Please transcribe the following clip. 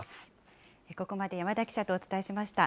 ここまで山田記者とお伝えしました。